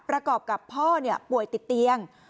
ประกอบกับพ่อป่วยติดเตียง